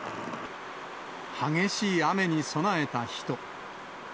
激しい雨に備えた人。